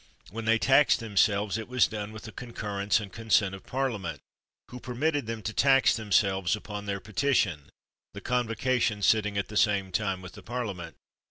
When they taxed themselves, it was done with the concurrence and consent of Parliament, who permitted them to tax themselves upon their petition, the convocation sitting at the same time with the Parliament.